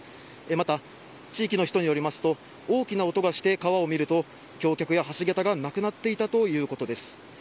また地域の人によりますと大きな音がして川を見ると橋脚や橋げたがなくなっていたということです。